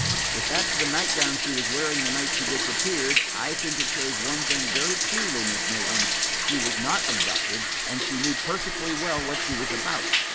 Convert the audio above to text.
"If that's the nightgown she was wearing the night she disappeared, I think it shows one thing very clearly, Miss Maitland. She was not abducted, and she knew perfectly well what she was about.